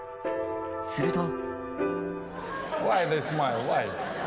すると。